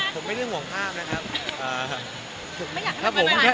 แปลว่าเวียก็ห่วงภาพว่ะถ้าแบบผู้มากกว่า